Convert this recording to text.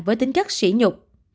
với tính chất xỉ nhục